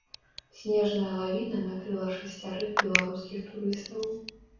Снежная лавіна накрыла шасцярых беларускіх турыстаў.